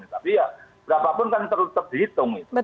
tapi ya berapapun kan tetap dihitung itu